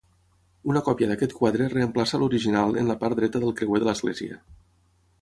Una còpia d'aquest quadre reemplaça a l'original en la part dreta del creuer de l'església.